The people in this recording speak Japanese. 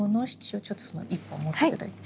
ちょっとその１本を持って頂いて。